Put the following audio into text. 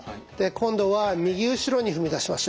今度は右後ろに踏み出しましょう。